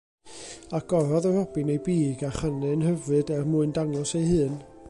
Agorodd y robin ei big a chanu'n hyfryd, er mwyn dangos ei hun.